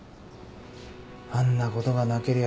あんなことがなけりゃ